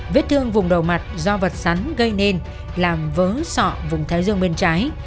viết thương vùng đầu mặt do vật sắn gây nên làm vớ sọ vùng thái dương bên trái